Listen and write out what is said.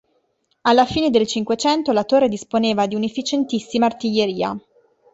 Alla fine del Cinquecento la torre disponeva di un'efficientissima artiglieria.